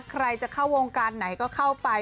ใครจะเข้าวงการไหนก็เข้าไป